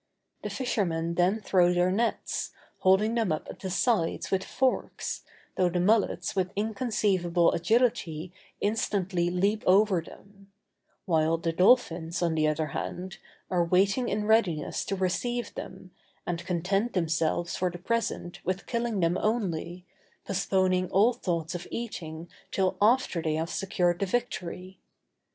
The fishermen then throw their nets, holding them up at the sides with forks, though the mullets with inconceivable agility instantly leap over them; while the dolphins, on the other hand, are waiting in readiness to receive them, and content themselves for the present with killing them only, postponing all thoughts of eating till after they have secured the victory.